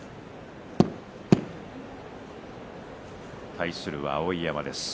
対するは碧山です。